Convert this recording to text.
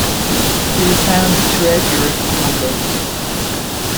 It is found throughout Europe, Mongolia.